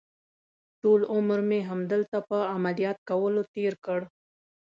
ټول عمر مې همدلته په عملیات کولو تېر کړ.